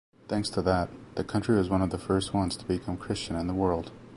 Thanks to that, the country was one of the first ones to become Christian in the world.